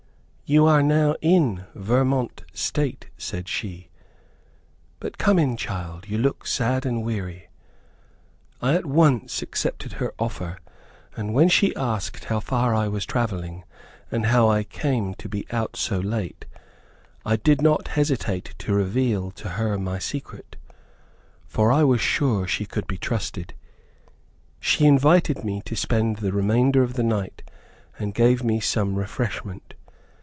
"You are now in Vermont State," said she, "but come in child, you look sad and weary." I at once accepted her offer, and when she asked how far I was traveling, and how I came to be out so late, I did not hesitate to reveal to her my secret, for I was sure she could be trusted. She invited me to spend the remainder of the night, and gave me some refreshment.